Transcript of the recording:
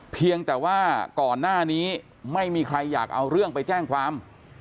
เพียงแต่ว่าก่อนหน้านี้ไม่มีใครอยากเอาเรื่องไปแจ้งความ